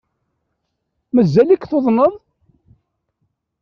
Mazal-ik tuḍneḍ?